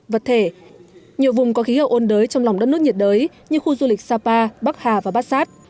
vật thể nhiều vùng có khí hậu ôn đới trong lòng đất nước nhiệt đới như khu du lịch sapa bắc hà và bát sát